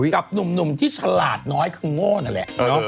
กับหนุ่มที่ฉลาดน้อยคือโง่นั่นแหละ